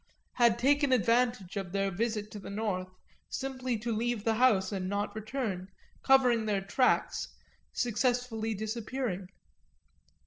had taken advantage of their visit to the North simply to leave the house and not return, covering their tracks, successfully disappearing.